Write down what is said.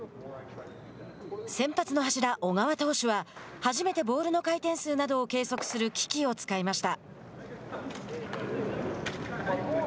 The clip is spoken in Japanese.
先発の柱、小川投手は初めてボールの回転数などを計測する機器を使いました。